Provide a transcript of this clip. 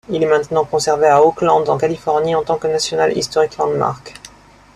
Il est maintenant conservé à Oakland en Californie en tant que National Historic Landmark.